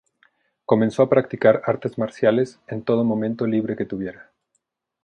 Comenzó a practicar artes marciales en todo momento libre que tuviera.